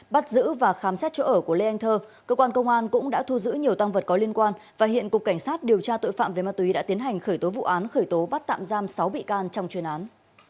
bắt giữ và khám xét chỗ ở của lê anh thơ cơ quan công an cũng đã thu giữ nhiều tăng vật có liên quan và hiện cục cảnh sát điều tra tội phạm về ma túy đã tiến hành khởi tố vụ án khởi tố bắt tạm giam sáu bị can trong chuyên án